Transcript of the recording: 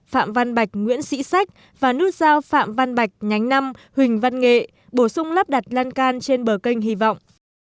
phạm văn bạch nguyễn sĩ sách và nút giao phạm văn bạch nhánh năm huỳnh văn nghệ bổ sung lắp đặt lan can trên bờ kênh hy vọng